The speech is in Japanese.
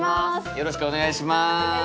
よろしくお願いします！